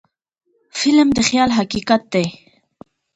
فلم د خیال حقیقت دی